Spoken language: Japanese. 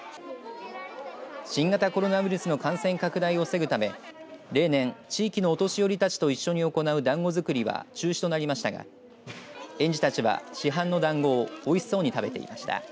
新型コロナウイルスの感染拡大を防ぐため例年、地域のお年寄りたちと一緒に行うだんご作りは中止となりましたが、園児たちは市販のだんごをおいしそうに食べていました。